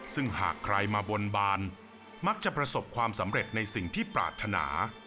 ซึ่งหากใครมาบนบานมักจะประสบความสำเร็จในสิ่งที่ปรารถนา